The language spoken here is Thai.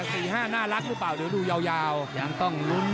สี่ห้าน่ารักรึเป่าตื่นอนุเยาห์